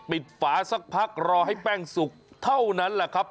ฝาสักพักรอให้แป้งสุกเท่านั้นแหละครับ